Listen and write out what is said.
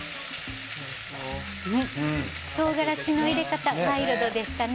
とうがらしの入れ方ワイルドでしたね。